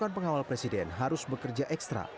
delapan pengawal presiden harus bekerja ekstra